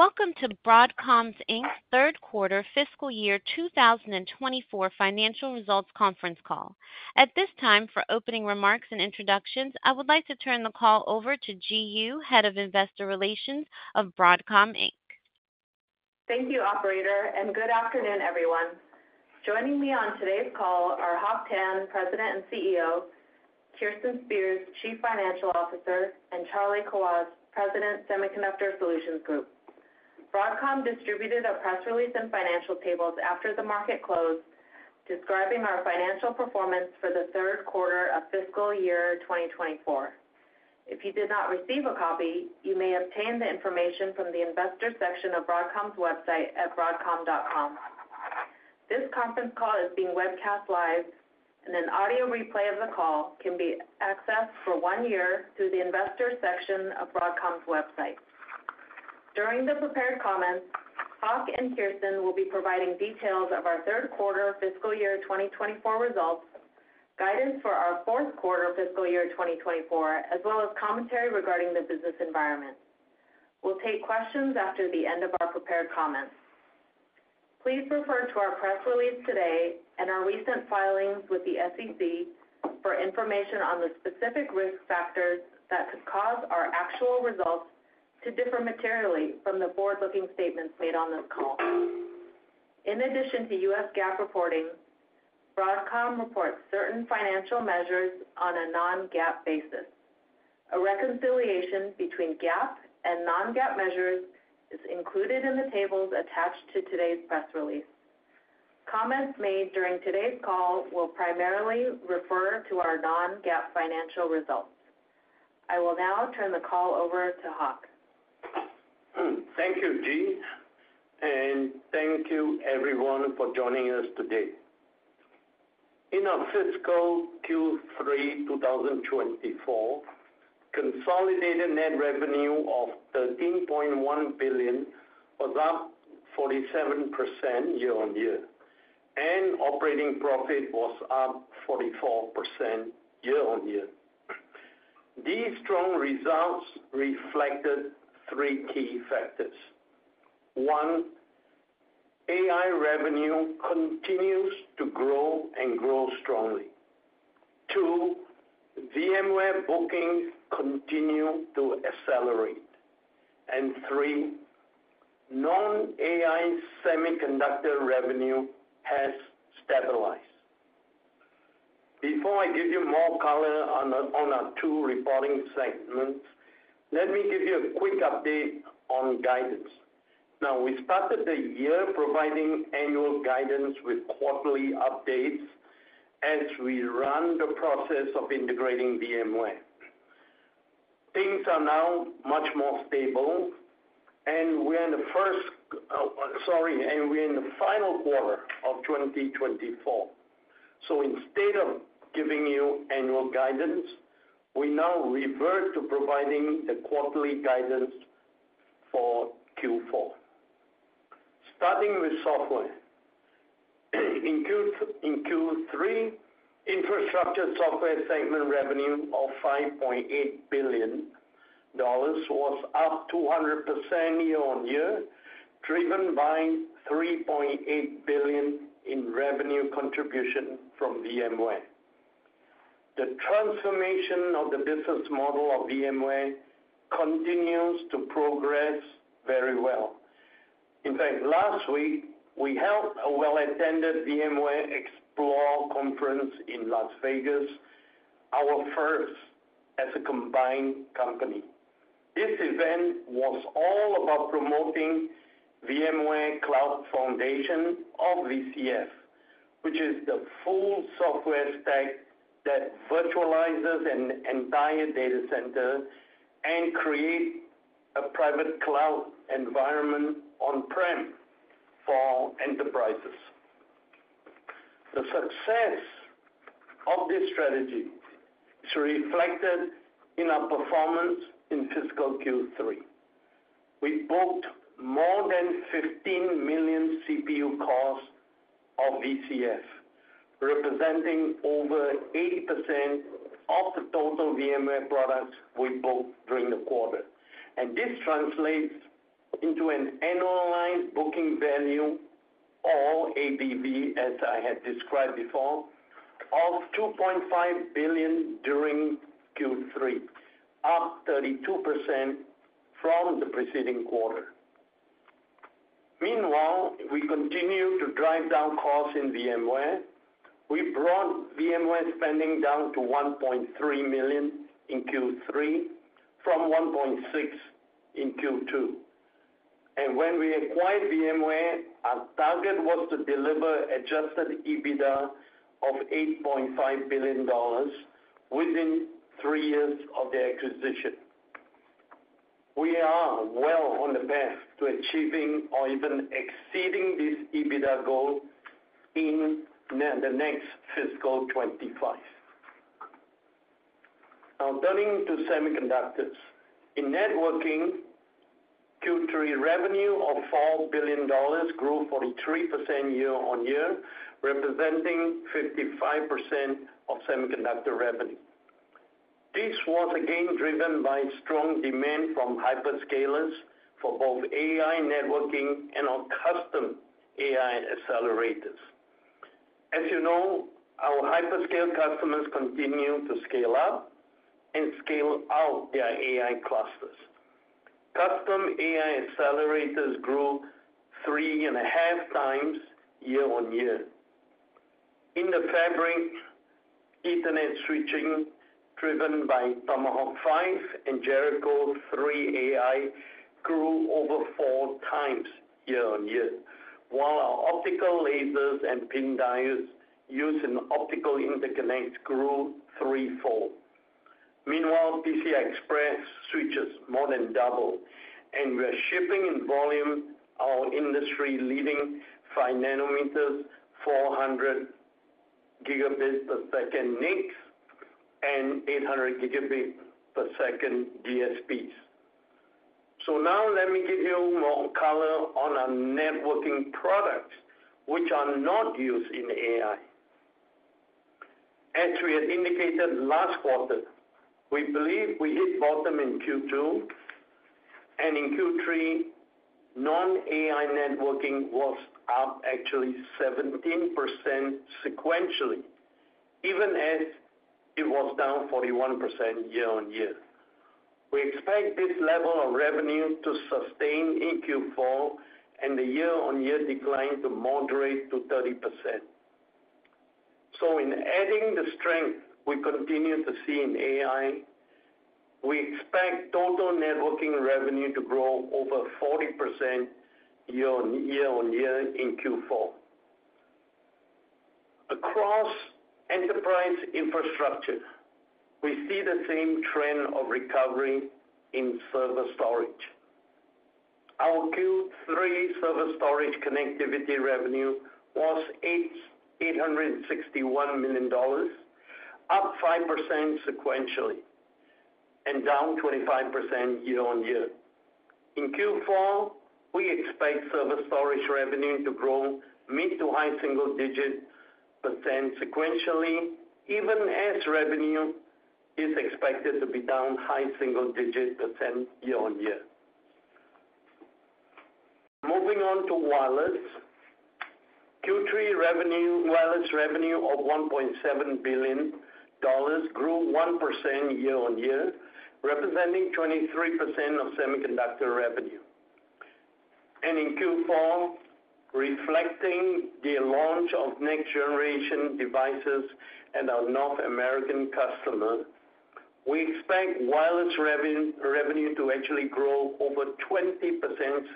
Welcome to Broadcom Inc.'s third quarter fiscal year 2024 financial results conference call. At this time, for opening remarks and introductions, I would like to turn the call over to Ji Yoo, Head of Investor Relations of Broadcom Inc. Thank you, operator, and good afternoon, everyone. Joining me on today's call are Hock Tan, President and CEO, Kirsten Spears, Chief Financial Officer, and Charlie Kawwas, President, Semiconductor Solutions Group. Broadcom distributed a press release and financial tables after the market closed, describing our financial performance for the third quarter of fiscal year twenty twenty-four. If you did not receive a copy, you may obtain the information from the investor section of Broadcom's website at broadcom.com. This conference call is being webcast live and an audio replay of the call can be accessed for one year through the investor section of Broadcom's website. During the prepared comments, Hock and Kirsten will be providing details of our third quarter fiscal year twenty twenty-four results, guidance for our fourth quarter fiscal year twenty twenty-four, as well as commentary regarding the business environment. We'll take questions after the end of our prepared comments. Please refer to our press release today and our recent filings with the SEC for information on the specific risk factors that could cause our actual results to differ materially from the forward-looking statements made on this call. In addition to U.S. GAAP reporting, Broadcom reports certain financial measures on a non-GAAP basis. A reconciliation between GAAP and non-GAAP measures is included in the tables attached to today's press release. Comments made during today's call will primarily refer to our non-GAAP financial results. I will now turn the call over to Hock. Thank you, Ji, and thank you everyone for joining us today. In our fiscal Q3 two thousand and twenty-four, consolidated net revenue of $13.1 billion was up 47% year on year, and operating profit was up 44% year on year. These strong results reflected three key factors. One, AI revenue continues to grow and grow strongly. Two, VMware bookings continue to accelerate. And three, non-AI semiconductor revenue has stabilized. Before I give you more color on our two reporting segments, let me give you a quick update on guidance. Now, we started the year providing annual guidance with quarterly updates as we run the process of integrating VMware. Things are now much more stable and we're in the final quarter of twenty twenty-four. So instead of giving you annual guidance, we now revert to providing the quarterly guidance for Q4. Starting with software. In Q3, infrastructure software segment revenue of $5.8 billion was up 200% year on year, driven by $3.8 billion in revenue contribution from VMware. The transformation of the business model of VMware continues to progress very well. In fact, last week, we held a well-attended VMware Explore conference in Las Vegas, our first as a combined company. This event was all about promoting VMware Cloud Foundation, or VCF, which is the full software stack that virtualizes an entire data center and create a private cloud environment on-prem for enterprises. The success of this strategy is reflected in our performance in fiscal Q3. We booked more than 15 million CPU cores of VCF, representing over 80% of the total VMware products we booked during the quarter. And this translates into an annualized booking value or ABV, as I had described before, of $2.5 billion during Q3, up 32% from the preceding quarter. Meanwhile, we continue to drive down costs in VMware. We brought VMware spending down to $1.3 million in Q3 from $1.6 million in Q2. And when we acquired VMware, our target was to deliver adjusted EBITDA of $8.5 billion within three years of the acquisition. We are well on the path to achieving or even exceeding this EBITDA goal in the next fiscal 2025. Now, turning to semiconductors. In networking, Q3 revenue of $4 billion grew 43% year on year, representing 55% of semiconductor revenue. This was again driven by strong demand from hyperscalers for both AI networking and our custom AI accelerators. As you know, our hyperscale customers continue to scale up and scale out their AI clusters. Custom AI accelerators grew three and a half times year on year. In the fabric, Ethernet switching, driven by Tomahawk 5 and Jericho3-AI, grew over four times year on year, while our optical lasers and PIN diodes used in optical interconnect grew threefold. Meanwhile, PCI Express switches more than doubled, and we are shipping in volume our industry-leading 5 nanometers, 400 gigabits per second NICs and 800 gigabit per second DSPs. So now let me give you more color on our networking products, which are not used in AI. As we had indicated last quarter, we believe we hit bottom in Q2, and in Q3, non-AI networking was up actually 17% sequentially, even as it was down 41% year on year. We expect this level of revenue to sustain in Q4 and the year-on-year decline to moderate to 30%. So in adding the strength we continue to see in AI, we expect total networking revenue to grow over 40% year on year in Q4. Across enterprise infrastructure, we see the same trend of recovery in server storage. Our Q3 server storage connectivity revenue was $861 million, up 5% sequentially and down 25% year on year. In Q4, we expect server storage revenue to grow mid- to high-single-digit % sequentially, even as revenue is expected to be down high-single-digit % year on year. Moving on to wireless. Q3 revenue, wireless revenue of $1.7 billion grew 1% year on year, representing 23% of semiconductor revenue. In Q4, reflecting the launch of next-generation devices and our North American customer, we expect wireless revenue to actually grow over 20%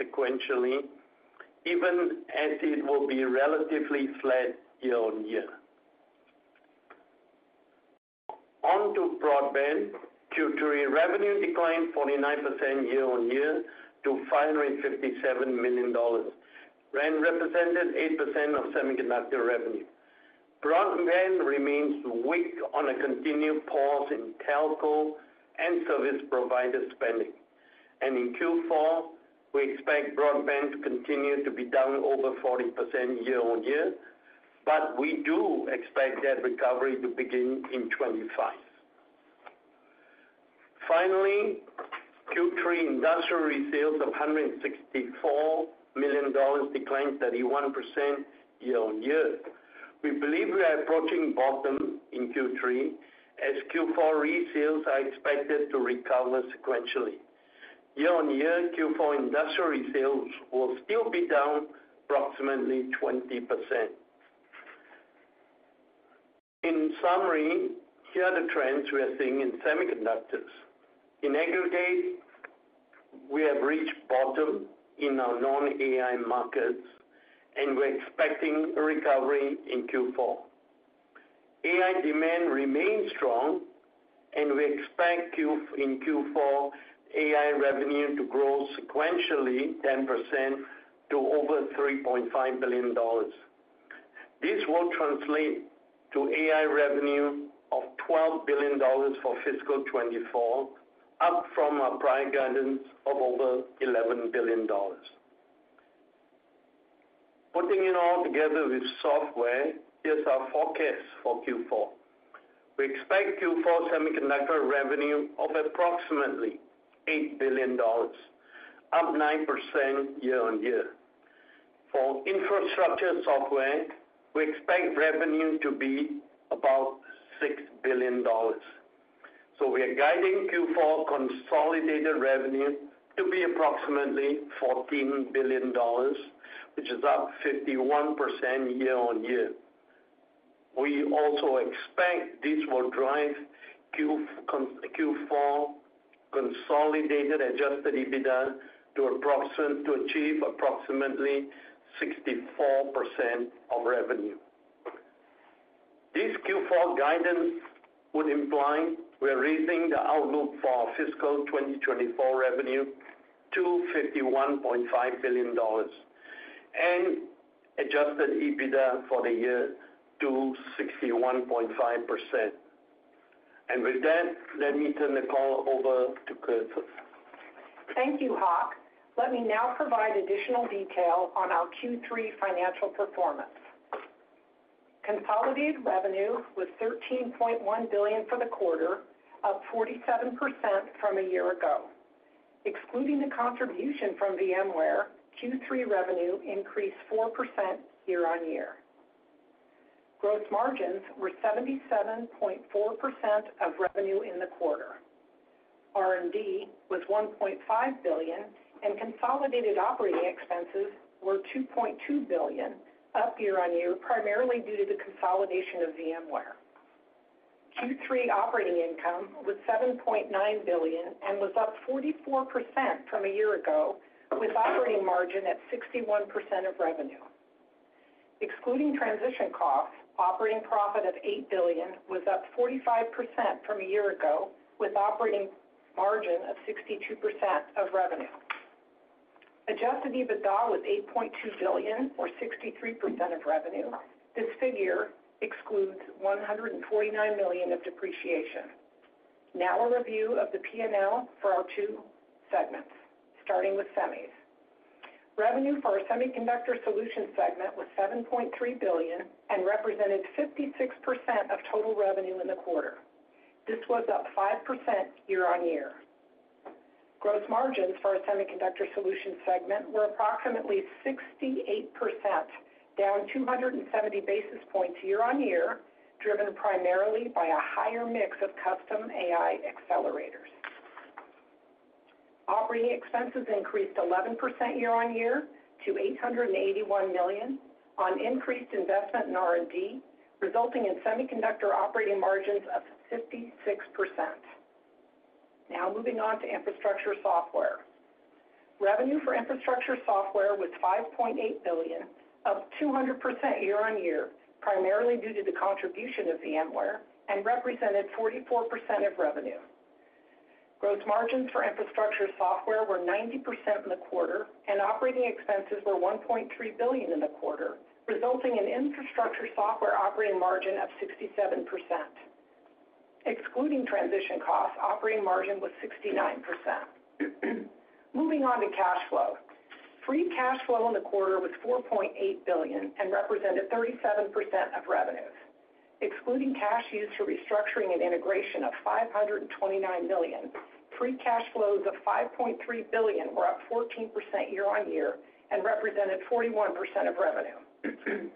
sequentially, even as it will be relatively flat year on year. On to broadband. Q3 revenue declined 49% year on year to $557 million, and represented 8% of semiconductor revenue. Broadband remains weak on a continued pause in telco and service provider spending. In Q4, we expect broadband to continue to be down over 40% year on year, but we do expect that recovery to begin in 2025. Finally, Q3 industrial resales of $164 million declined 31% year on year. We believe we are approaching bottom in Q3, as Q4 resales are expected to recover sequentially. Year on year, Q4 industrial resales will still be down approximately 20%. In summary, here are the trends we are seeing in semiconductors. In aggregate, we have reached bottom in our non-AI markets, and we're expecting a recovery in Q4. AI demand remains strong, and we expect in Q4, AI revenue to grow sequentially 10% to over $3.5 billion. This will translate to AI revenue of $12 billion for fiscal 2024, up from our prior guidance of over $11 billion. Putting it all together with software, here's our forecast for Q4. We expect Q4 semiconductor revenue of approximately $8 billion, up 9% year on year. For infrastructure software, we expect revenue to be about $6 billion. We are guiding Q4 consolidated revenue to be approximately $14 billion, which is up 51% year on year. We also expect this will drive Q4 consolidated adjusted EBITDA to achieve approximately 64% of revenue. This Q4 guidance would imply we are raising the outlook for our fiscal 2024 revenue to $51.5 billion, and adjusted EBITDA for the year to 61.5%. With that, let me turn the call over to Kirsten. Thank you, Hock. Let me now provide additional detail on our Q3 financial performance. Consolidated revenue was $13.1 billion for the quarter, up 47% from a year ago. Excluding the contribution from VMware, Q3 revenue increased 4% year-on-year. Gross margins were 77.4% of revenue in the quarter. R&D was $1.5 billion, and consolidated operating expenses were $2.2 billion, up year-on-year, primarily due to the consolidation of VMware. Q3 operating income was $7.9 billion and was up 44% from a year ago, with operating margin at 61% of revenue. Excluding transition costs, operating profit of $8 billion was up 45% from a year ago, with operating margin of 62% of revenue. Adjusted EBITDA was $8.2 billion, or 63% of revenue. This figure excludes $149 million of depreciation. Now a review of the P&L for our two segments, starting with semis. Revenue for our Semiconductor Solutions segment was $7.3 billion and represented 56% of total revenue in the quarter. This was up 5% year-on-year. Gross margins for our Semiconductor Solutions segment were approximately 68%, down 270 basis points year-on-year, driven primarily by a higher mix of custom AI accelerators. Operating expenses increased 11% year-on-year to $881 million on increased investment in R&D, resulting in semiconductor operating margins of 56%. Now moving on to infrastructure software. Revenue for infrastructure software was $5.8 billion, up 200% year-on-year, primarily due to the contribution of VMware, and represented 44% of revenue. Gross margins for infrastructure software were 90% in the quarter, and operating expenses were $1.3 billion in the quarter, resulting in infrastructure software operating margin of 67%. Excluding transition costs, operating margin was 69%. Moving on to cash flow. Free cash flow in the quarter was $4.8 billion and represented 37% of revenues. Excluding cash used for restructuring and integration of $529 million, free cash flows of $5.3 billion were up 14% year-on-year and represented 41% of revenue.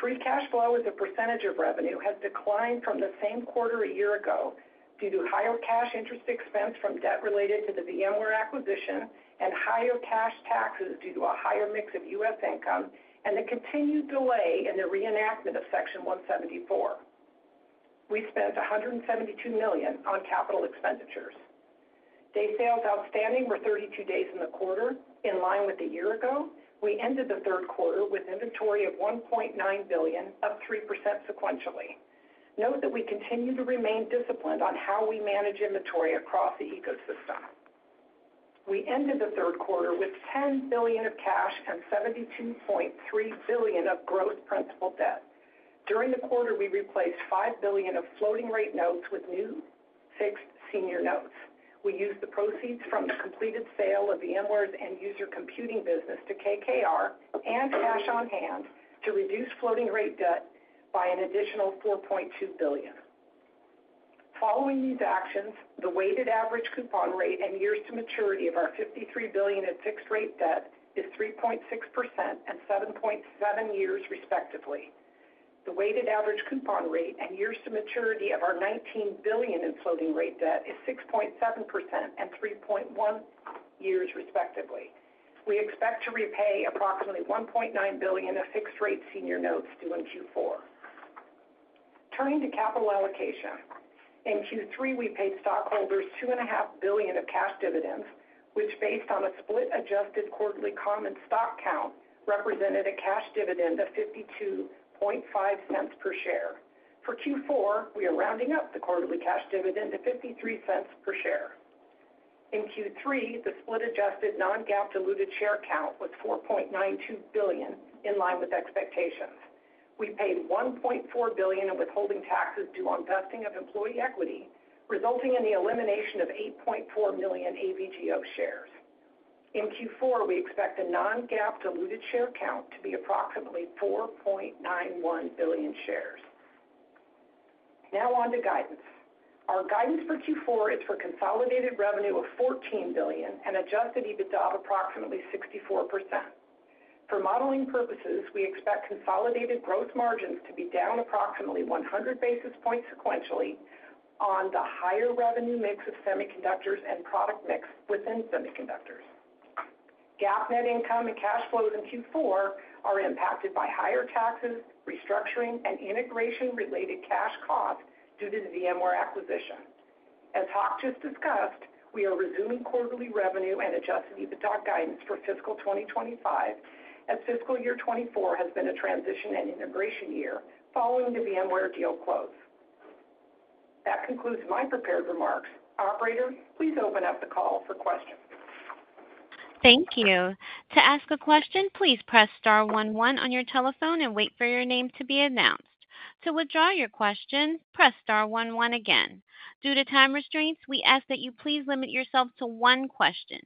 Free cash flow as a percentage of revenue has declined from the same quarter a year ago due to higher cash interest expense from debt related to the VMware acquisition and higher cash taxes due to a higher mix of U.S. income and the continued delay in the reenactment of Section 174. We spent $172 million on capital expenditures. Day sales outstanding were 32 days in the quarter, in line with a year ago. We ended the third quarter with inventory of $1.9 billion, up 3% sequentially. Note that we continue to remain disciplined on how we manage inventory across the ecosystem. We ended the third quarter with $10 billion of cash and $72.3 billion of gross principal debt. During the quarter, we replaced $5 billion of floating rate notes with new fixed senior notes. We used the proceeds from the completed sale of VMware's end-user computing business to KKR and cash on hand to reduce floating rate debt by an additional $4.2 billion. Following these actions, the weighted average coupon rate and years to maturity of our $53 billion in fixed-rate debt is 3.6% and 7.7 years, respectively. The weighted average coupon rate and years to maturity of our $19 billion in floating rate debt is 6.7% and 3.1 years, respectively. We expect to repay approximately $1.9 billion of fixed-rate senior notes due in Q4. Turning to capital allocation. In Q3, we paid stockholders $2.5 billion of cash dividends, which, based on a split-adjusted quarterly common stock count, represented a cash dividend of $0.525 per share. For Q4, we are rounding up the quarterly cash dividend to $0.53 per share. In Q3, the split-adjusted non-GAAP diluted share count was 4.92 billion, in line with expectations. We paid $1.4 billion in withholding taxes due on vesting of employee equity, resulting in the elimination of 8.4 million AVGO shares. In Q4, we expect the non-GAAP diluted share count to be approximately 4.91 billion shares. Now on to guidance. Our guidance for Q4 is for consolidated revenue of $14 billion and adjusted EBITDA of approximately 64%. For modeling purposes, we expect consolidated gross margins to be down approximately 100 basis points sequentially on the higher revenue mix of semiconductors and product mix within semiconductors. GAAP net income and cash flows in Q4 are impacted by higher taxes, restructuring, and integration-related cash costs due to the VMware acquisition. As Hock just discussed, we are resuming quarterly revenue and adjusted EBITDA guidance for fiscal 2025, as fiscal year 2024 has been a transition and integration year following the VMware deal close. That concludes my prepared remarks. Operator, please open up the call for questions. Thank you. To ask a question, please press star one one on your telephone and wait for your name to be announced.... To withdraw your question, press star one, one again. Due to time constraints, we ask that you please limit yourself to one question.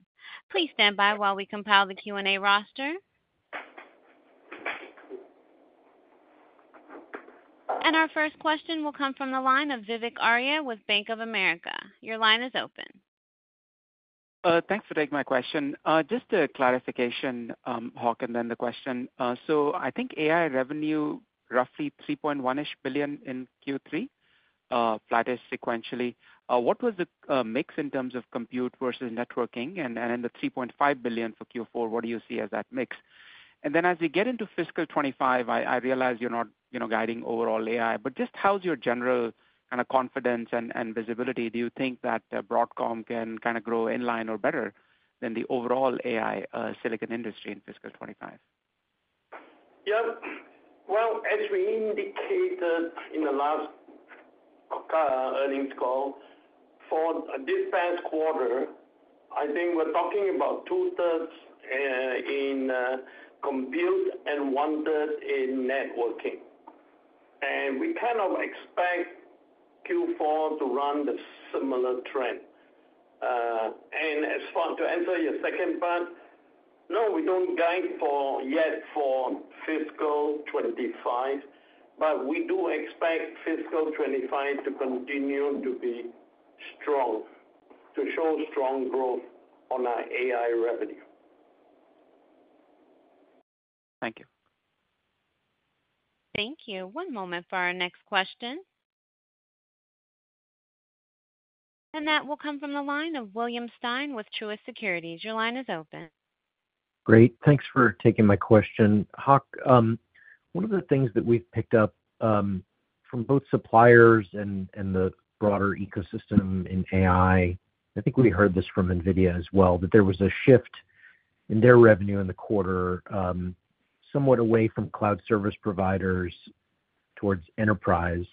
Please stand by while we compile the Q&A roster. And our first question will come from the line of Vivek Arya with Bank of America. Your line is open. Thanks for taking my question. Just a clarification, Hock, and then the question. So I think AI revenue, roughly $3.1 billion-ish in Q3, flattish sequentially. What was the mix in terms of compute versus networking? And the $3.5 billion for Q4, what do you see as that mix? And then as we get into fiscal 2025, I realize you're not, you know, guiding overall AI, but just how's your general kind of confidence and visibility? Do you think that Broadcom can kind of grow in line or better than the overall AI silicon industry in fiscal 2025? Yep. Well, as we indicated in the last earnings call for this past quarter, I think we're talking about two-thirds in compute and one-third in networking. And we kind of expect Q4 to run the similar trend. And as for to answer your second part, no, we don't guide for yet for fiscal 2025, but we do expect fiscal 2025 to continue to be strong, to show strong growth on our AI revenue. Thank you. Thank you. One moment for our next question. And that will come from the line of William Stein with Truist Securities. Your line is open. Great. Thanks for taking my question. Hock, one of the things that we've picked up from both suppliers and the broader ecosystem in AI, I think we heard this from NVIDIA as well, that there was a shift in their revenue in the quarter, somewhat away from cloud service providers towards enterprise.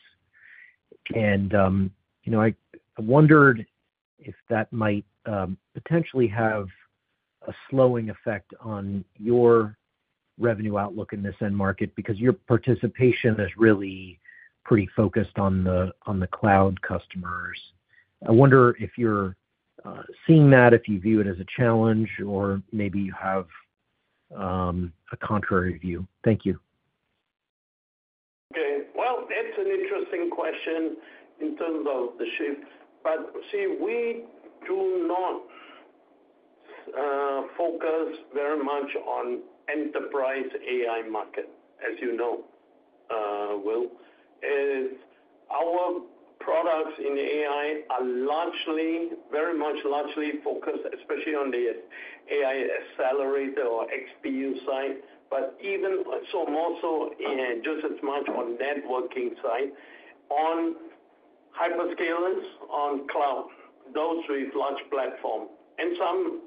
And you know, I wondered if that might potentially have a slowing effect on your revenue outlook in this end market, because your participation is really pretty focused on the cloud customers. I wonder if you're seeing that, if you view it as a challenge or maybe you have a contrary view. Thank you. Okay. Well, that's an interesting question in terms of the shift. But see, we do not focus very much on enterprise AI market, as you know, Will. Our products in AI are largely, very much largely focused, especially on the AI accelerator or XPU side, but even so more so in just as much on networking side, on hyperscalers, on cloud, those three large platform, and some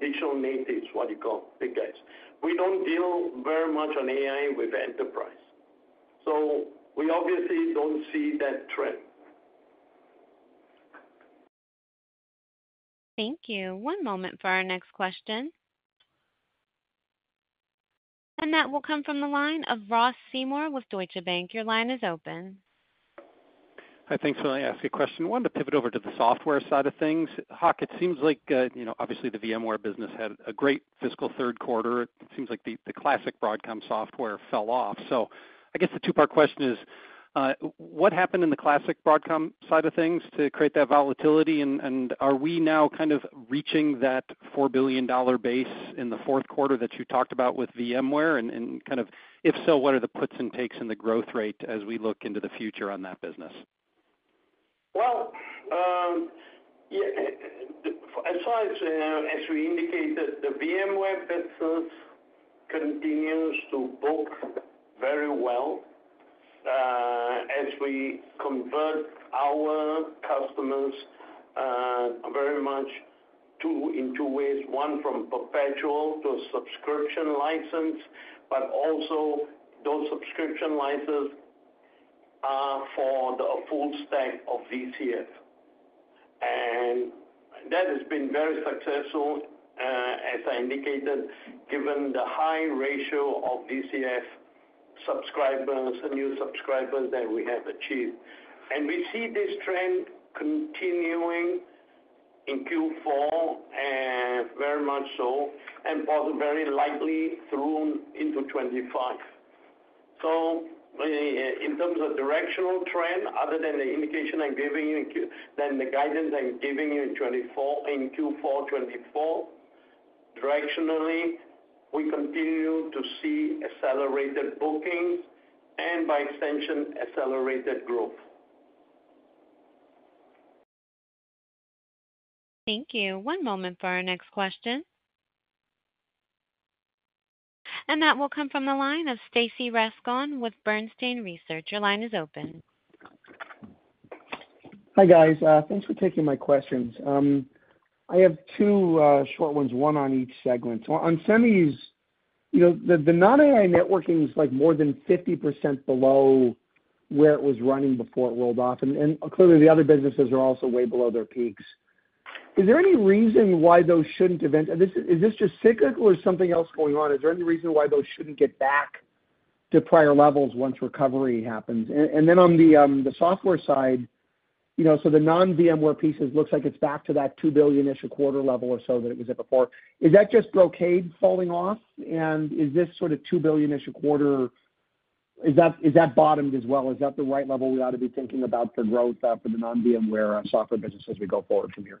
digital natives, what you call, big guys. We don't deal very much on AI with enterprise. So we obviously don't see that trend. Thank you. One moment for our next question. And that will come from the line of Ross Seymore with Deutsche Bank. Your line is open. Hi, thanks for letting me ask a question. I wanted to pivot over to the software side of things. Hock, it seems like, you know, obviously the VMware business had a great fiscal third quarter. It seems like the classic Broadcom software fell off. So I guess the two-part question is, what happened in the classic Broadcom side of things to create that volatility? And are we now kind of reaching that $4 billion base in the fourth quarter that you talked about with VMware? And kind of, if so, what are the puts and takes in the growth rate as we look into the future on that business? Yeah, as far as as we indicated, the VMware business continues to book very well as we convert our customers very much to in two ways. One, from perpetual to subscription license, but also those subscription licenses are for the full stack of VCF. That has been very successful as I indicated, given the high ratio of VCF subscribers and new subscribers that we have achieved. We see this trend continuing in Q4, and very much so, and probably very likely through into 2025. In terms of directional trend, other than the indication I'm giving you than the guidance I'm giving you in 2024, in Q4 2024, directionally, we continue to see accelerated bookings and by extension, accelerated growth. Thank you. One moment for our next question, and that will come from the line of Stacy Rasgon with Bernstein Research. Your line is open. Hi, guys, thanks for taking my questions. I have two short ones, one on each segment. So on semis, you know, the non-AI networking is like more than 50% below where it was running before it rolled off, and clearly the other businesses are also way below their peaks. Is there any reason why those shouldn't eventually? Is this just cyclical or something else going on? Is there any reason why those shouldn't get back to prior levels once recovery happens? And then on the software side, you know, so the non-VMware pieces looks like it's back to that two billion-ish a quarter level or so that it was at before. Is that just Brocade falling off? And is this sort of two billion-ish a quarter, is that bottomed as well? Is that the right level we ought to be thinking about for growth, for the non-VMware software business as we go forward from here?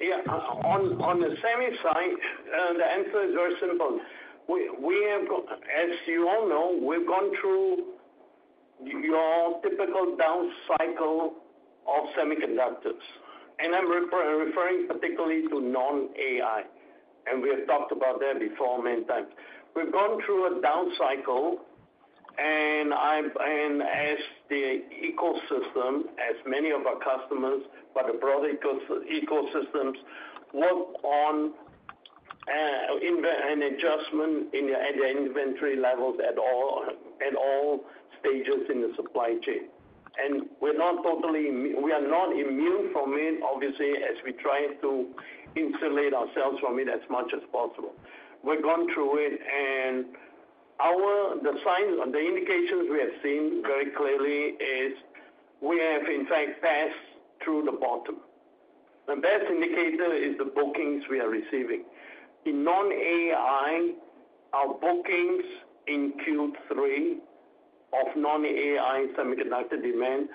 Yeah. On the semi side, the answer is very simple. We have, as you all know, we've gone through your typical down cycle of semiconductors, and I'm referring particularly to non-AI, and we have talked about that before many times. We've gone through a down cycle, and as the ecosystem, as many of our customers, but the broader ecosystems work on an adjustment in the inventory levels at all stages in the supply chain. And we are not immune from it, obviously, as we try to insulate ourselves from it as much as possible. We've gone through it, and the signs, the indications we have seen very clearly is we have, in fact, passed through the bottom. The best indicator is the bookings we are receiving. In non-AI, our bookings in Q3 of non-AI semiconductor demand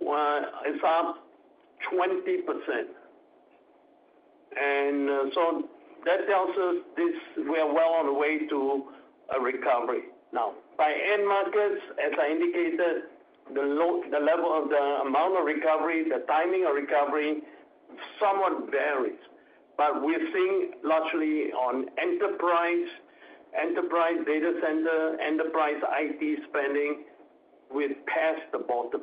were up 20%. So that tells us this, we are well on the way to a recovery. Now, by end markets, as I indicated, the level of the amount of recovery, the timing of recovery somewhat varies. We're seeing largely on enterprise, enterprise data center, enterprise IT spending, we've passed the bottom.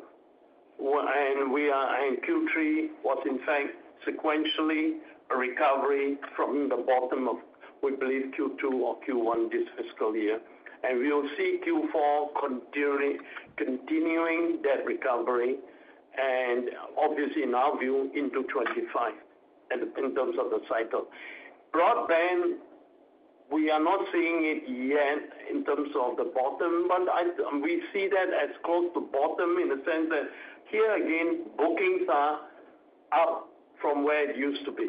And we are, and Q3 was, in fact, sequentially, a recovery from the bottom of, we believe, Q2 or Q1 this fiscal year. We'll see Q4 continuing that recovery, and obviously, in our view, into 2025, in terms of the cycle. Broadband, we are not seeing it yet in terms of the bottom, but we see that as close to bottom in the sense that, here again, bookings are up from where it used to be.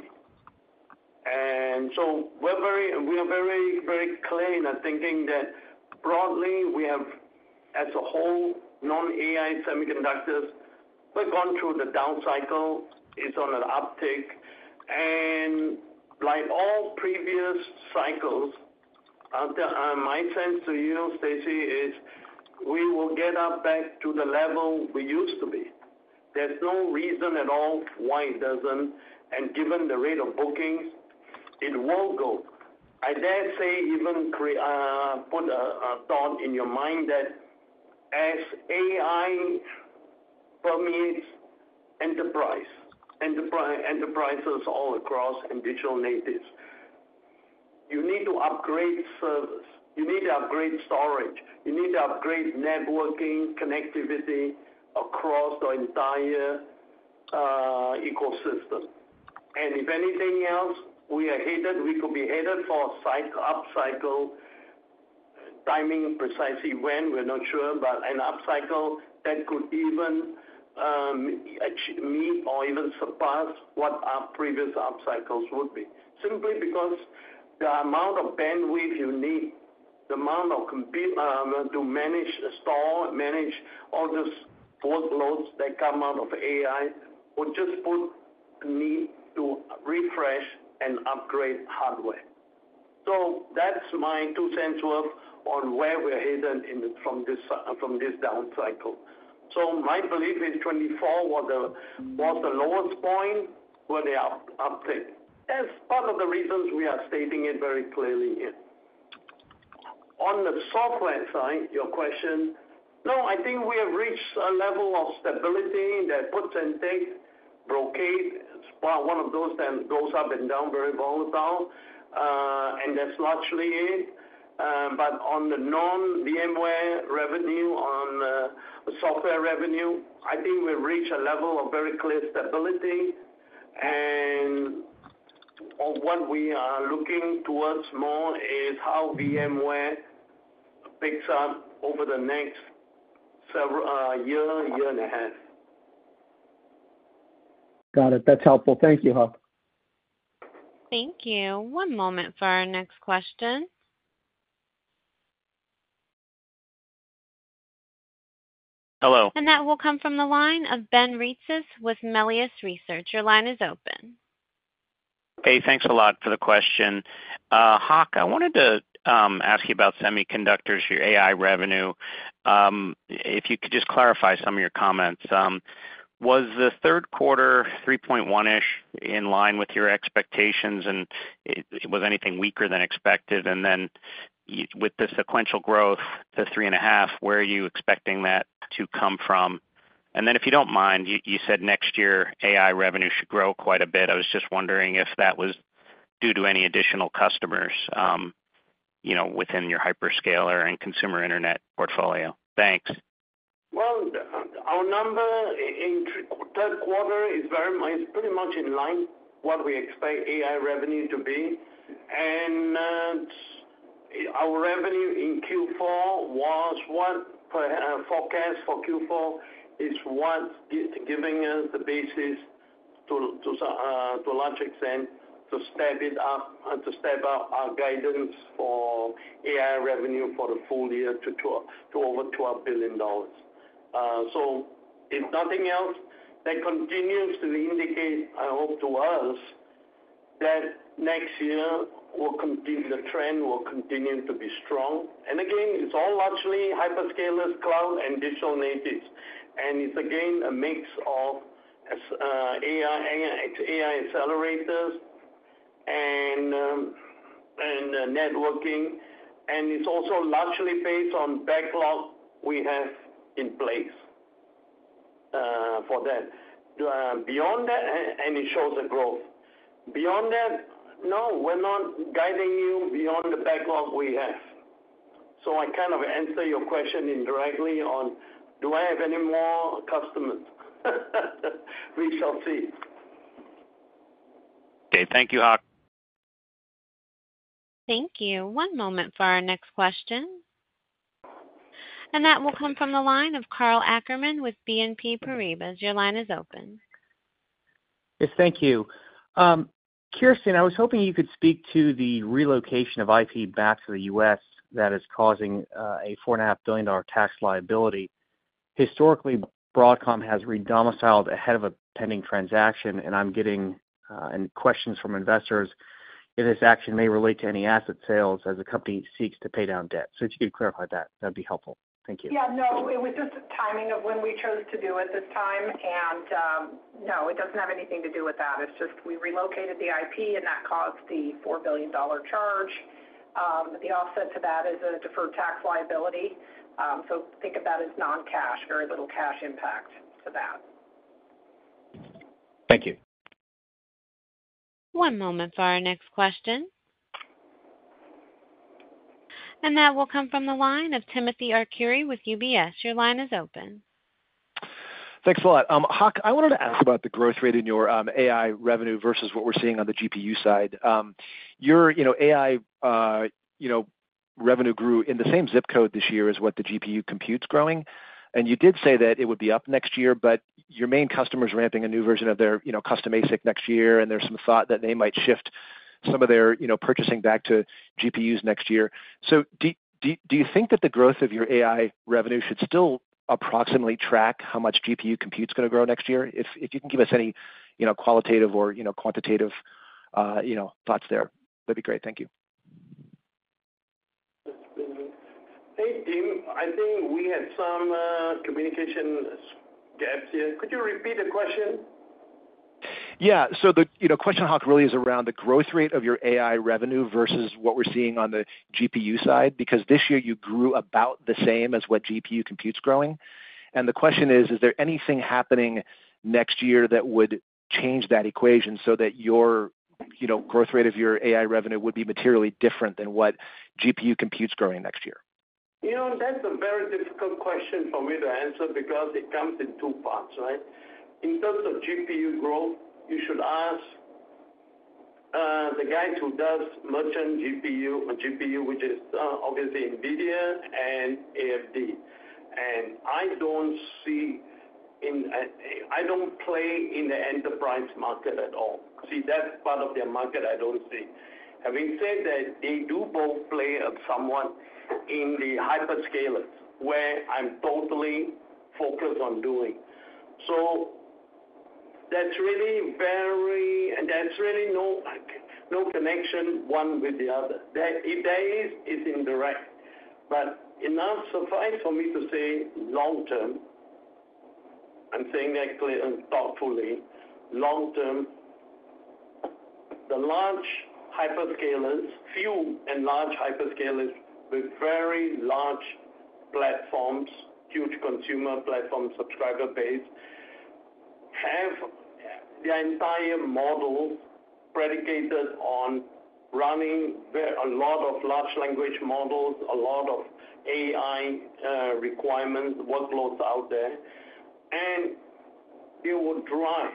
And so we are very, very clear in thinking that broadly, we have, as a whole, non-AI semiconductors. We've gone through the down cycle. It's on an uptick, and like all previous cycles, my sense to you, Stacy, is we will get up back to the level we used to be. There's no reason at all why it doesn't, and given the rate of bookings, it will go. I dare say, even put a thought in your mind that as AI permeates enterprise, enterprises all across and digital natives, you need to upgrade service, you need to upgrade storage, you need to upgrade networking, connectivity across the entire ecosystem. And if anything else, we are headed. We could be headed for a cycle, up cycle. Timing precisely when, we're not sure, but an up cycle that could even meet or even surpass what our previous up cycles would be. Simply because the amount of bandwidth you need, the amount of compute to manage, store, manage all those workloads that come out of AI, would just put a need to refresh and upgrade hardware. So that's my two cents worth on where we're headed in the, from this down cycle. So my belief is 2024 was the lowest point, with an uptick. That's part of the reasons we are stating it very clearly here. On the software side, your question, no, I think we have reached a level of stability that puts and takes. Brocade, well, one of those that goes up and down, very volatile, and that's largely it. But on the non-VMware revenue, on, software revenue, I think we've reached a level of very clear stability. And on what we are looking towards more is how VMware picks up over the next several, year and a half. Got it. That's helpful. Thank you, Hock. Thank you. One moment for our next question. Hello. That will come from the line of Ben Reitzes with Melius Research. Your line is open. Hey, thanks a lot for the question. Hock, I wanted to ask you about semiconductors, your AI revenue. If you could just clarify some of your comments. Was the third quarter, three point one-ish, in line with your expectations, and was anything weaker than expected? And then with the sequential growth to three and a half, where are you expecting that to come from? And then if you don't mind, you said next year, AI revenue should grow quite a bit. I was just wondering if that was due to any additional customers, you know, within your hyperscaler and consumer internet portfolio. Thanks. Our number in third quarter is very much pretty much in line with what we expect AI revenue to be. And our revenue in Q4, what forecast for Q4 is, what's giving us the basis to a large extent to step it up and to step up our guidance for AI revenue for the full year to 12 to over $12 billion. So if nothing else, that continues to indicate, I hope to us, that next year will continue, the trend will continue to be strong. And again, it's all largely hyperscalers, cloud, and digital natives. And it's again a mix of AI accelerators and networking, and it's also largely based on backlog we have in place for that. Beyond that, and it shows the growth. Beyond that, no, we're not guiding you beyond the backlog we have. So I kind of answer your question indirectly on, do I have any more customers? We shall see. Okay, thank you, Hock. Thank you. One moment for our next question, and that will come from the line of Karl Ackerman with BNP Paribas. Your line is open. Yes, thank you. Kirsten, I was hoping you could speak to the relocation of IP back to the U.S. that is causing a $4.5 billion tax liability. Historically, Broadcom has re-domiciled ahead of a pending transaction, and I'm getting questions from investors if this action may relate to any asset sales as the company seeks to pay down debt. So if you could clarify that, that'd be helpful. Thank you. Yeah, no, it was just timing of when we chose to do it this time, and no, it doesn't have anything to do with that. It's just we relocated the IP, and that caused the $4 billion charge. The offset to that is a deferred tax liability, so think of that as non-cash, very little cash impact to that. Thank you. One moment for our next question. And that will come from the line of Timothy Arcuri with UBS. Your line is open. Thanks a lot. Hock, I wanted to ask about the growth rate in your AI revenue versus what we're seeing on the GPU side. Your you know AI revenue grew in the same zip code this year as what the GPU compute's growing, and you did say that it would be up next year, but your main customer's ramping a new version of their you know custom ASIC next year, and there's some thought that they might shift some of their you know purchasing back to GPUs next year. So do you think that the growth of your AI revenue should still approximately track how much GPU compute's gonna grow next year? If you can give us any you know qualitative or you know quantitative thoughts there, that'd be great. Thank you. Hey, Tim, I think we had some communication gaps here. Could you repeat the question? Yeah. So the, you know, question, Hock, really is around the growth rate of your AI revenue versus what we're seeing on the GPU side, because this year you grew about the same as what GPU compute's growing. And the question is, is there anything happening next year that would change that equation so that your, you know, growth rate of your AI revenue would be materially different than what GPU compute's growing next year? You know, that's a very difficult question for me to answer because it comes in two parts, right? In terms of GPU growth, you should ask the guys who does merchant GPU or GPU, which is obviously NVIDIA and AMD. And I don't see in... I don't play in the enterprise market at all. See, that's part of their market I don't see. Having said that, they do both play somewhat in the hyperscalers, where I'm totally focused on doing. So that's really very. There's really no, no connection, one with the other. If there is, it's indirect. But enough, suffice for me to say long term, I'm saying actually and thoughtfully, long term, the large hyperscalers, few and large hyperscalers with very large platforms, huge consumer platform subscriber base, have their entire model predicated on running a lot of large language models, a lot of AI, requirements, workloads out there, and it will drive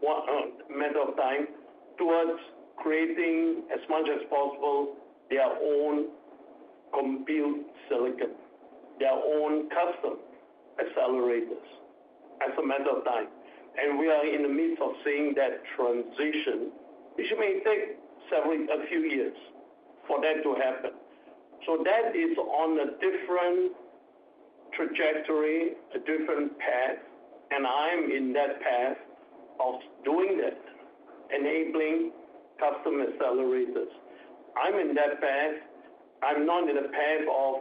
what, matter of time towards creating as much as possible, their own compute silicon, their own custom accelerators as a matter of time. And we are in the midst of seeing that transition, which may take several, a few years for that to happen. So that is on a different trajectory, a different path, and I'm in that path of doing that, enabling custom accelerators. I'm in that path. I'm not in a path of,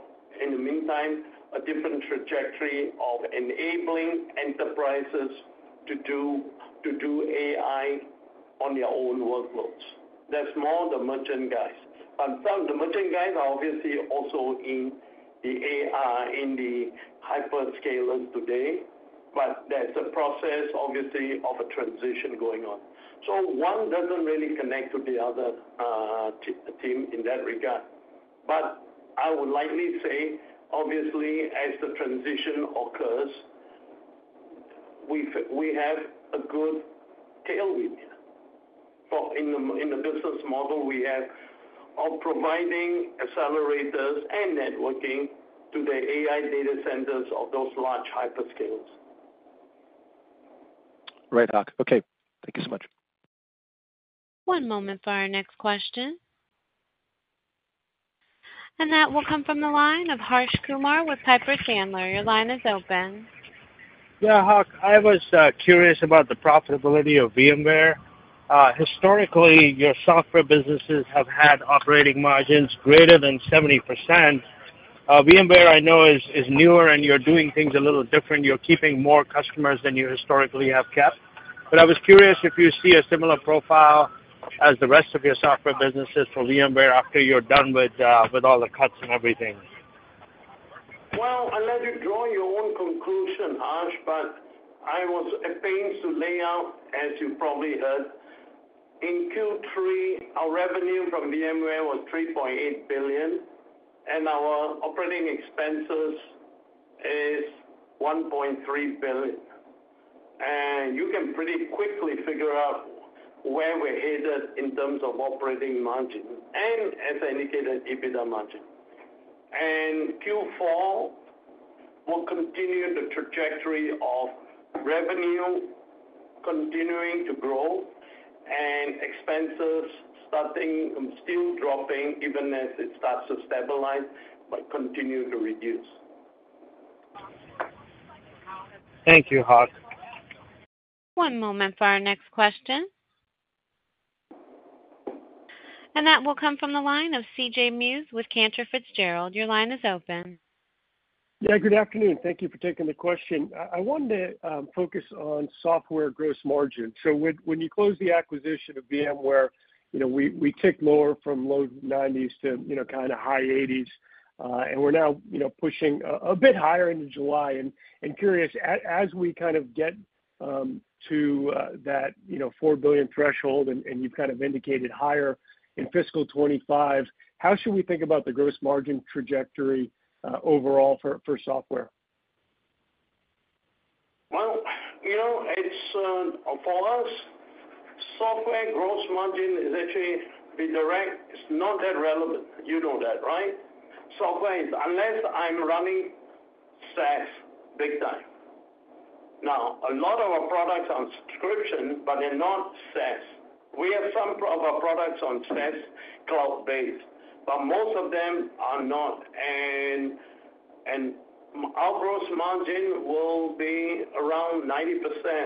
in the meantime, a different trajectory of enabling enterprises to do AI on their own workloads. That's more the merchant guys. But some of the merchant guys are obviously also in the AI, in the hyperscalers today. There's a process, obviously, of a transition going on. So one doesn't really connect to the other team in that regard. But I would likely say, obviously, as the transition occurs, we have a good tailwind for in the business model we have of providing accelerators and networking to the AI data centers of those large hyperscalers. Right, Hock. Okay, thank you so much. One moment for our next question, and that will come from the line of Harsh Kumar with Piper Sandler. Your line is open. Yeah, Hock, I was curious about the profitability of VMware. VMware, I know is newer, and you're doing things a little different. You're keeping more customers than you historically have kept. But I was curious if you see a similar profile as the rest of your software businesses for VMware after you're done with all the cuts and everything. I'll let you draw your own conclusion, Harsh, but I was at pains to lay out, as you probably heard, in Q3, our revenue from VMware was $3.8 billion, and our operating expenses is $1.3 billion, and you can pretty quickly figure out where we're headed in terms of operating margin and, as indicated, EBITDA margin, and Q4 will continue the trajectory of revenue continuing to grow and expenses starting and still dropping, even as it starts to stabilize, but continue to reduce. Thank you, Hock. One moment for our next question. And that will come from the line of CJ Muse with Cantor Fitzgerald. Your line is open. Yeah, good afternoon. Thank you for taking the question. I wanted to focus on software gross margin. So when you close the acquisition of VMware, you know, we ticked lower from low 90s% to, you know, kind of high 80s%, and we're now, you know, pushing a bit higher into July, and I'm curious, as we kind of get to that, you know, $4 billion threshold, and you've kind of indicated higher in fiscal 2025, how should we think about the gross margin trajectory overall for software? You know, it's for us, software gross margin is actually, be direct, it's not that relevant. You know that, right? Software is unless I'm running SaaS big time. Now, a lot of our products are on subscription, but they're not SaaS. We have some of our products on SaaS, cloud-based, but most of them are not, and our gross margin will be around 90%,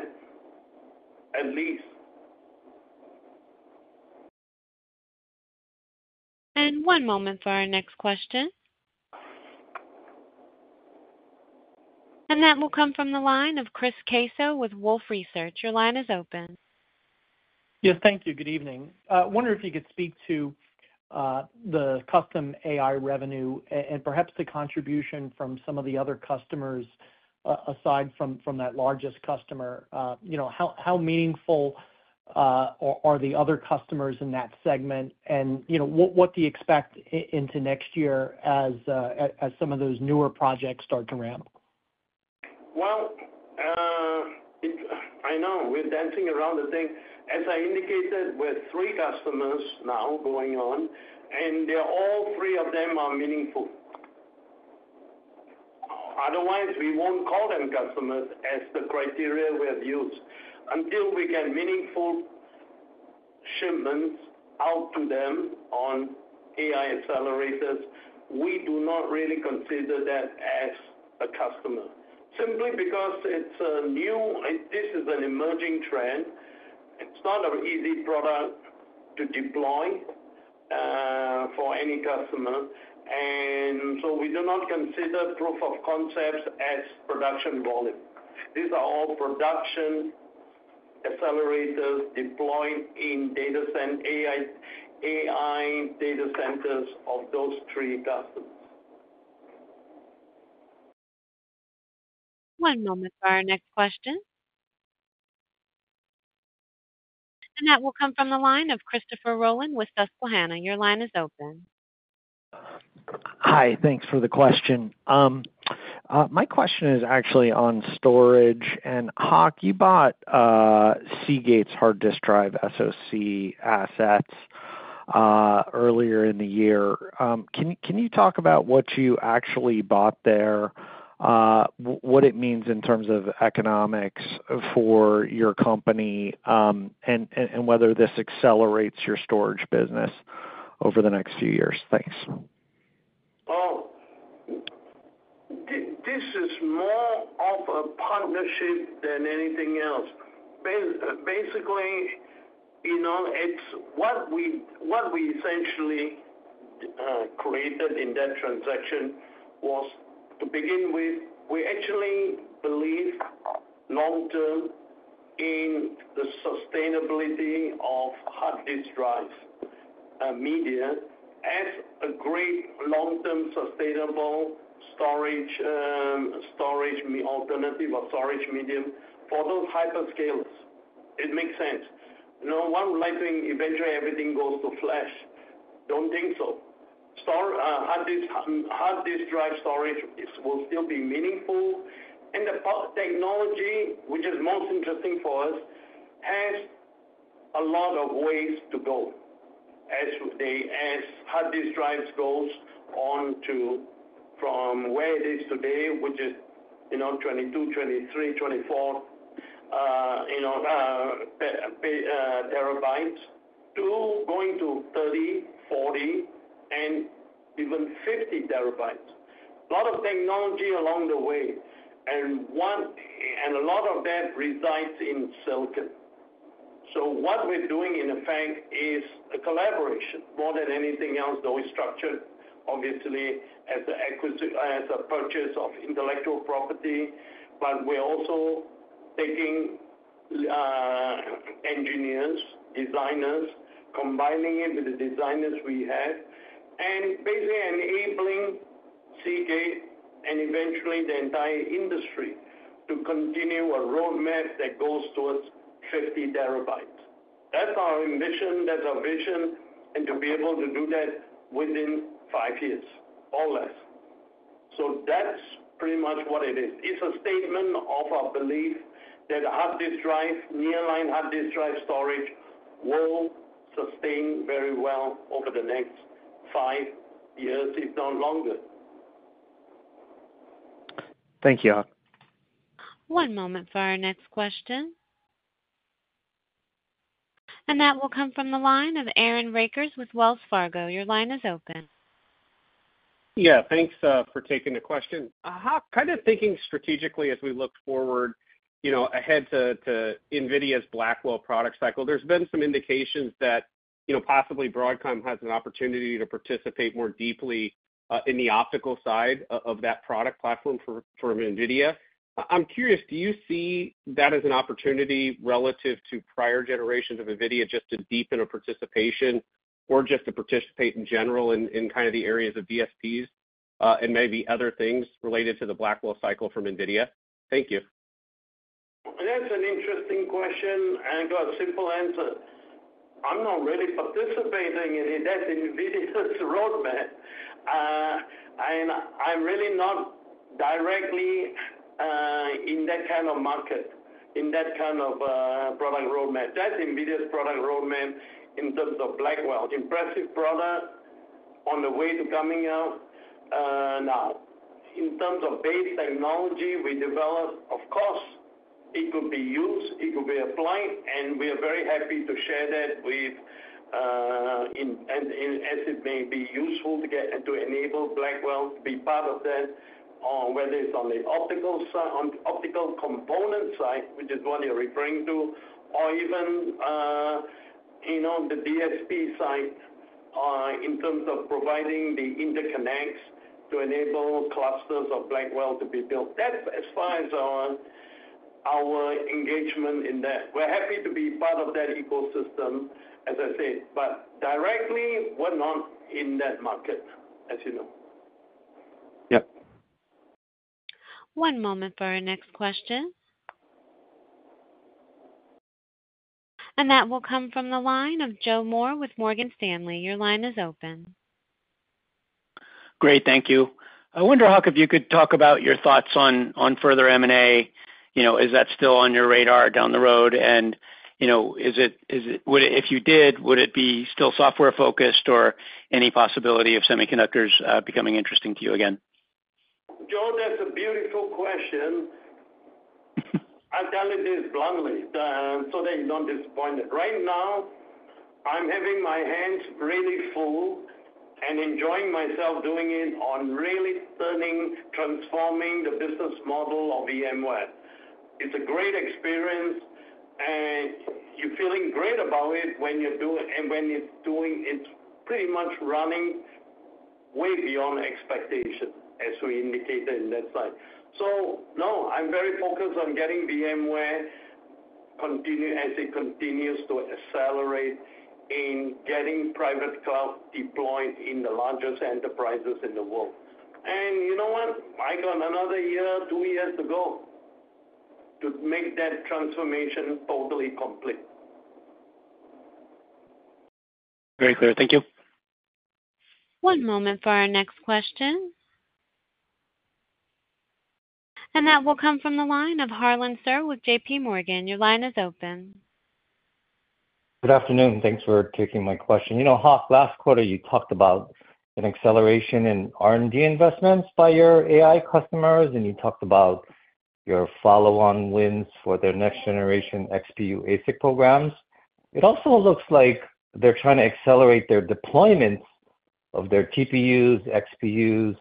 at least. One moment for our next question. That will come from the line of Chris Caso with Wolfe Research. Your line is open. Yes, thank you. Good evening. I wonder if you could speak to the custom AI revenue and perhaps the contribution from some of the other customers aside from that largest customer. You know, how meaningful are the other customers in that segment, and you know, what do you expect into next year as some of those newer projects start to ramp? I know we're dancing around the thing. As I indicated, we're three customers now going on, and they're all three of them are meaningful. Otherwise, we won't call them customers as the criteria we have used. Until we get meaningful shipments out to them on AI accelerators, we do not really consider that as a customer. Simply because it's a new, this is an emerging trend. It's not an easy product to deploy for any customer, and so we do not consider proof of concepts as production volume. These are all production accelerators deployed in data center, AI, AI data centers of those three customers. One moment for our next question. And that will come from the line of Christopher Rolland with Susquehanna. Your line is open. Hi, thanks for the question. My question is actually on storage. And Hock, you bought Seagate's hard disk drive, SoC assets earlier in the year. Can you talk about what you actually bought there, what it means in terms of economics for your company, and whether this accelerates your storage business over the next few years? Thanks. Oh, this is more of a partnership than anything else. Basically, you know, it's what we essentially created in that transaction was, to begin with, we actually believe in the sustainability of hard disk drives media as a great long-term, sustainable storage alternative or storage medium for those hyperscalers. It makes sense. You know, one would like to think eventually everything goes to flash. Don't think so. Storage hard disk drive storage will still be meaningful, and the technology, which is most interesting for us, has a lot of ways to go as hard disk drives goes on from where it is today, which is, you know, 22, 23, 24 petabytes to 30, 40, and even 50 terabytes. A lot of technology along the way, and a lot of that resides in silicon. So what we're doing, in effect, is a collaboration more than anything else, though it's structured, obviously, as an acquisition, as a purchase of intellectual property. But we're also taking engineers, designers, combining it with the designers we have, and basically enabling Seagate and eventually the entire industry to continue a roadmap that goes towards 50 terabytes. That's our ambition, that's our vision, and to be able to do that within five years or less. So that's pretty much what it is. It's a statement of our belief that hard disk drive, nearline hard disk drive storage, will sustain very well over the next five years, if not longer. Thank you, Hock. One moment for our next question. And that will come from the line of Aaron Rakers with Wells Fargo. Your line is open. Yeah, thanks for taking the question. Hock, kind of thinking strategically as we look forward, you know, ahead to NVIDIA's Blackwell product cycle, there's been some indications that, you know, possibly Broadcom has an opportunity to participate more deeply in the optical side of that product platform for NVIDIA. I'm curious, do you see that as an opportunity relative to prior generations of NVIDIA, just to deepen a participation or just to participate in general in kind of the areas of DSPs and maybe other things related to the Blackwell cycle from NVIDIA? Thank you. That's an interesting question, and got a simple answer. I'm not really participating in that NVIDIA's roadmap, and I'm really not directly in that kind of market, in that kind of product roadmap. That's NVIDIA's product roadmap in terms of Blackwell. Impressive product on the way to coming out. Now, in terms of base technology we developed, of course, it could be used, it could be applied, and we are very happy to share that with, and as it may be useful to get, and to enable Blackwell to be part of that, whether it's on the optical component side, which is what you're referring to, or even, you know, the DSP side, in terms of providing the interconnects to enable clusters of Blackwell to be built. That's as far as our engagement in that. We're happy to be part of that ecosystem, as I said, but directly, we're not in that market, as you know. Yep. One moment for our next question. And that will come from the line of Joe Moore with Morgan Stanley. Your line is open. Great, thank you. I wonder, Hock, if you could talk about your thoughts on further M&A. You know, is that still on your radar down the road? And, you know, is it would it, if you did, would it be still software focused or any possibility of semiconductors becoming interesting to you again? Joe, that's a beautiful question. I'll tell you this bluntly, so that you're not disappointed. Right now, I'm having my hands really full and enjoying myself doing it on really turning, transforming the business model of VMware. It's a great experience, and you're feeling great about it when you do it, and when it's doing, it's pretty much running way beyond expectation, as we indicated in that slide. So no, I'm very focused on getting VMware continue, as it continues to accelerate in getting private cloud deployed in the largest enterprises in the world. And you know what? I got another year, two years to go, to make that transformation totally complete. Very clear. Thank you. One moment for our next question. And that will come from the line of Harlan Sur with J.P. Morgan. Your line is open. Good afternoon, thanks for taking my question. You know, Hock, last quarter, you talked about an acceleration in R&D investments by your AI customers, and you talked about your follow-on wins for their next generation XPU ASIC programs. It also looks like they're trying to accelerate their deployments of their TPUs, XPUs,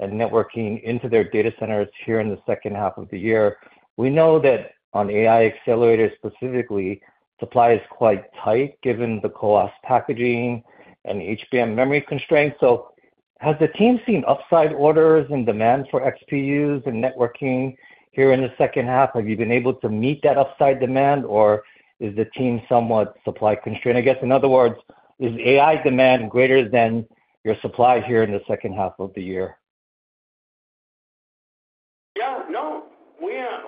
and networking into their data centers here in the second half of the year. We know that on AI accelerators, specifically, supply is quite tight, given the CoWoS packaging and HBM memory constraints. Has the team seen upside orders and demand for XPUs and networking here in the second half? Have you been able to meet that upside demand, or is the team somewhat supply constrained? I guess, in other words, is AI demand greater than your supply here in the second half of the year? Yeah. No,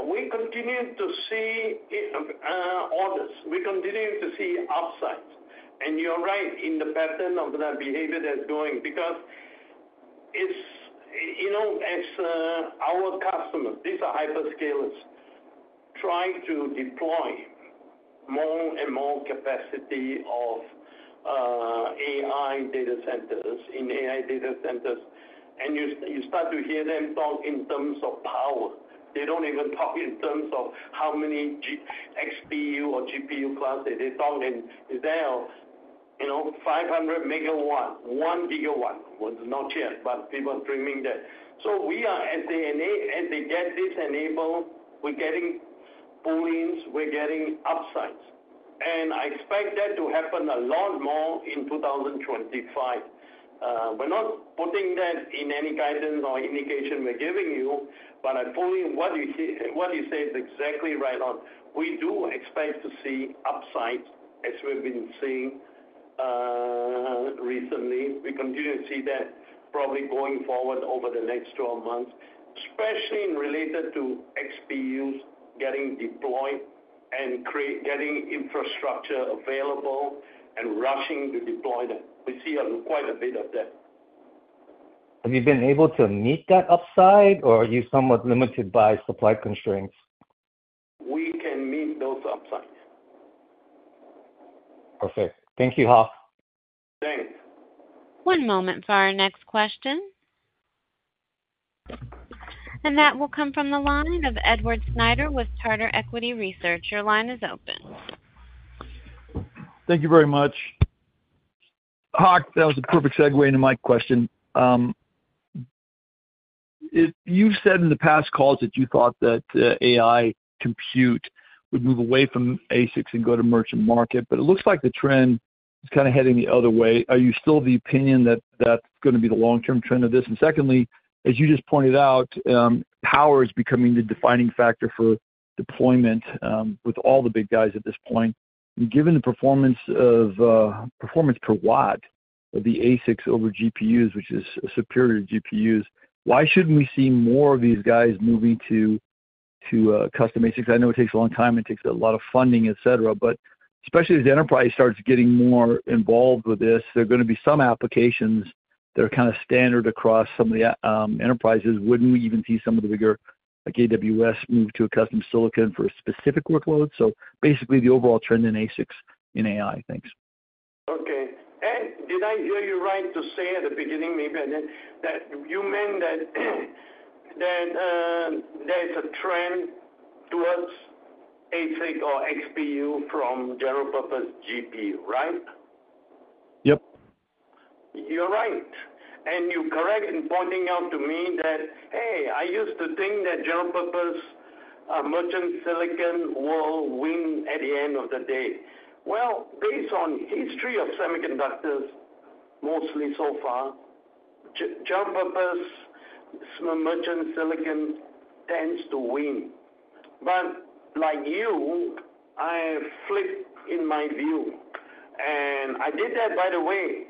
we continue to see orders. We continue to see upsides, and you're right in the pattern of that behavior that's going. Because it's, you know, as our customers, these are hyperscalers, trying to deploy more and more capacity of AI data centers in AI data centers, and you start to hear them talk in terms of power. They don't even talk in terms of how many XPU or GPU classes. They talk in terms of, you know, 500 megawatt, one gigawatt. Well, not yet, but people are dreaming that. So we are, as they get this enabled, we're getting pull-ins, we're getting upsides, and I expect that to happen a lot more in two thousand and twenty-five. We're not putting that in any guidance or indication we're giving you, but I'm telling you, what you see, what you say is exactly right on. We do expect to see upsides as we've been seeing recently. We continue to see that probably going forward over the next twelve months, especially in relation to XPUs getting deployed and getting infrastructure available and rushing to deploy them. We see quite a bit of that. Have you been able to meet that upside, or are you somewhat limited by supply constraints? We can meet those upsides. Perfect. Thank you, Hock. Thanks. One moment for our next question, and that will come from the line of Edward Snyder with Charter Equity Research. Your line is open. Thank you very much. Hock, that was a perfect segue into my question. You've said in the past calls that you thought that AI compute would move away from ASICs and go to merchant market, but it looks like the trend is kind of heading the other way. Are you still of the opinion that that's going to be the long-term trend of this? And secondly, as you just pointed out, power is becoming the defining factor for deployment with all the big guys at this point. Given the performance per watt of the ASICs over GPUs, which is superior to GPUs, why shouldn't we see more of these guys moving to custom ASICs? I know it takes a long time, it takes a lot of funding, et cetera, but especially as the enterprise starts getting more involved with this, there are going to be some applications that are kind of standard across some of the enterprises. Wouldn't we even see some of the bigger, like AWS, move to a custom silicon for a specific workload? So basically, the overall trend in ASICs in AI. Thanks. Okay. And did I hear you right to say at the beginning, maybe, I did, that you meant that there is a trend towards ASIC or XPU from general purpose GPU, right? Yep. You're right. And you're correct in pointing out to me that, hey, I used to think that general purpose merchant silicon will win at the end of the day. Well, based on history of semiconductors, mostly so far, general purpose merchant silicon tends to win. But like you, I flipped in my view, and I did that, by the way,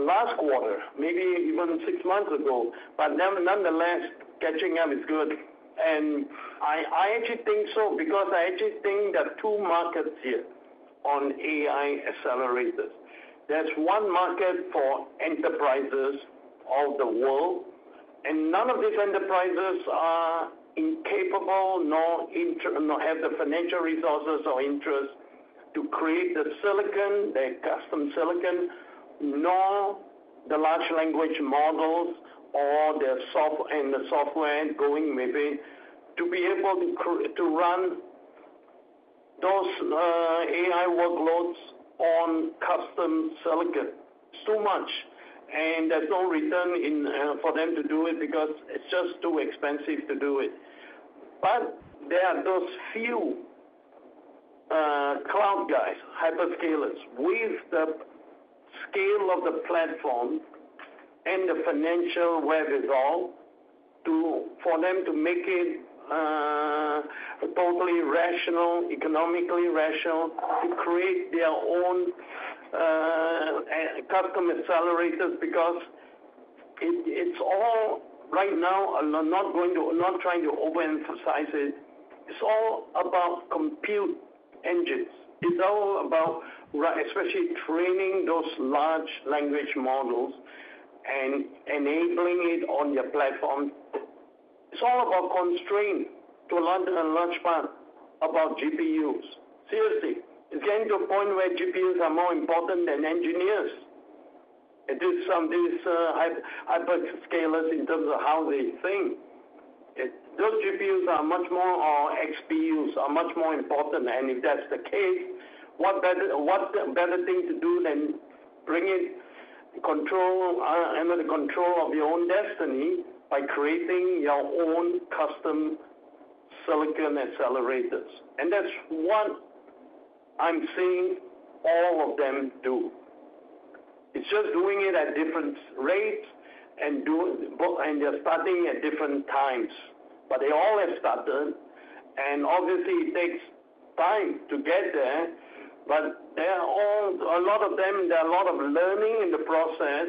last quarter, maybe even six months ago. But nonetheless, catching up is good. And I actually think so because I actually think there are two markets here on AI accelerators. There's one market for enterprises of the world, and none of these enterprises are incapable, nor have the financial resources or interest to create the silicon, the custom silicon, nor the large language models or the software going, maybe, to be able to run those AI workloads on custom silicon. It's too much, and there's no return in for them to do it because it's just too expensive to do it. But there are those few cloud guys, hyperscalers, with the scale of the platform and the financial wherewithal to, for them to make it totally rational, economically rational, to create their own custom accelerators. Because it, it's all right now, I'm not going to, I'm not trying to overemphasize it. It's all about compute engines. It's all about AI, especially training those large language models and enabling it on your platform. It's all about constrained to a large extent and a large part about GPUs. Seriously, it's getting to a point where GPUs are more important than engineers. It is some of these hyperscalers in terms of how they think. Those GPUs are much more, or XPUs, are much more important. And if that's the case, what better, what better thing to do than bring it under control of your own destiny by creating your own custom silicon accelerators? And that's one I'm seeing all of them do. It's just doing it at different rates, but they're starting at different times, but they all have started, and obviously, it takes time to get there. But they are all a lot of them, there are a lot of learning in the process,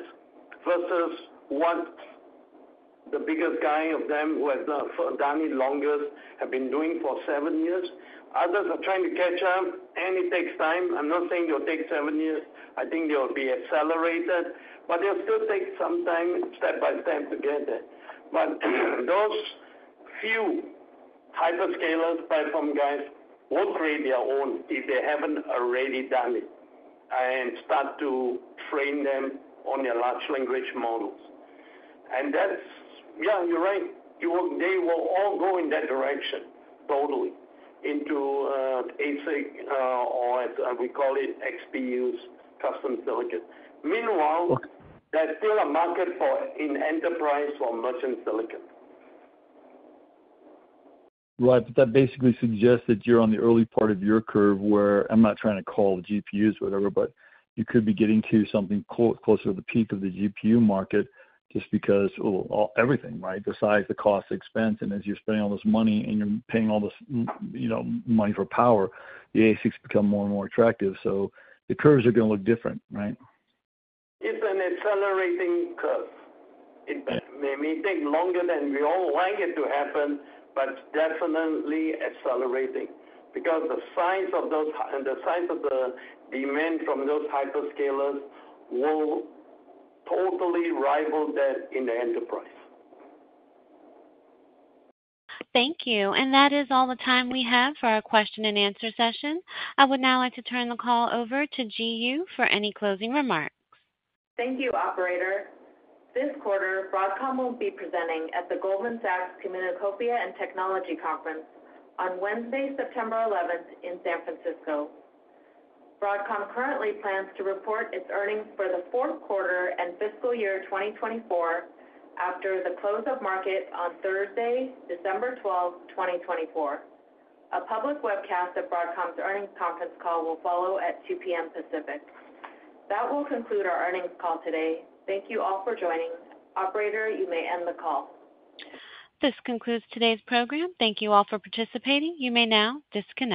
versus what the biggest guy of them, who has done it longest, have been doing for seven years. Others are trying to catch up, and it takes time. I'm not saying it'll take seven years. I think they'll be accelerated, but they'll still take some time, step by step, to get there. But those few hyperscalers platform guys will create their own if they haven't already done it, and start to train them on their large language models. And that's, yeah, you're right. They will all go in that direction, totally, into ASIC or as we call it, XPUs, custom silicon. Meanwhile, there's still a market for, in enterprise, for merchant silicon. Right, but that basically suggests that you're on the early part of your curve, where I'm not trying to call the GPUs or whatever, but you could be getting to something closer to the peak of the GPU market just because, well, all, everything, right? Besides the cost expense, and as you're spending all this money, and you're paying all this, you know, money for power, the ASICs become more and more attractive. So the curves are gonna look different, right? It's an accelerating curve. It may take longer than we all like it to happen, but definitely accelerating. Because the size of those, and the size of the demand from those hyperscalers will totally rival that in the enterprise. Thank you, and that is all the time we have for our question and answer session. I would now like to turn the call over to Ji Yoo for any closing remarks. Thank you, operator. This quarter, Broadcom will be presenting at the Goldman Sachs Communications and Technology Conference on Wednesday, September eleventh, in San Francisco. Broadcom currently plans to report its earnings for the fourth quarter and fiscal year twenty twenty-four, after the close of market on Thursday, December twelfth, twenty twenty-four. A public webcast of Broadcom's earnings conference call will follow at 2:00 P.M. Pacific. That will conclude our earnings call today. Thank you all for joining. Operator, you may end the call. This concludes today's program. Thank you all for participating. You may now disconnect.